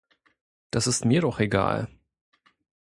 Das ist mir doch egal.